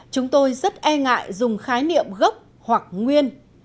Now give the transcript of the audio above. chúng tôi rất e ngại dùng khái niệm gốc hoặc nguyên